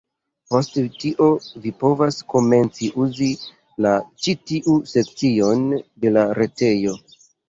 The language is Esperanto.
Post tio vi povas komenci uzi la ĉi tiun sekcion de la retejo.